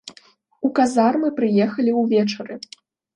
У казармы прыехалі ўвечары.